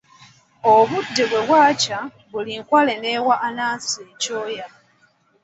Obudde bwe bwakya, buli nkwale n'ewa Anansi ekyoya.